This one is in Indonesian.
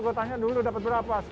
gue tanya dulu dapat berapa